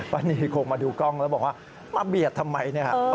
ป้านีคงมาดูกล้องแล้วบอกว่ามาเบียดทำไมเนี่ย